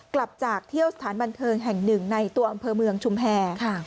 กลับจากเที่ยวสถานบันเทิงแห่งหนึ่งในตัวอำเภอเมืองชุมแพร